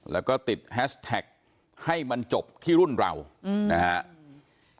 แล้วก็ติดแฮชแท็กให้มันจบที่รุ่นเรานะครับ